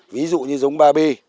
ví dụ như giống ba b